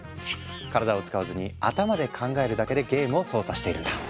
体を使わずに頭で考えるだけでゲームを操作しているんだ。